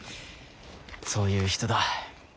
そういう人だ。